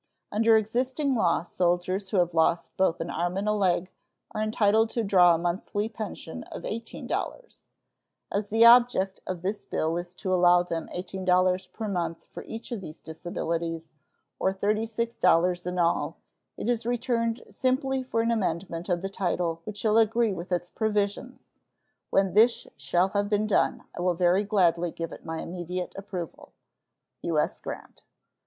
Under existing law soldiers who have lost both an arm and a leg are entitled to draw a monthly pension of $18. As the object of this bill is to allow them $18 per month for each of these disabilities, or $36 in all, it is returned simply for an amendment of title which shall agree with its provisions. When this shall have been done, I will very gladly give it my immediate approval. U.S. GRANT.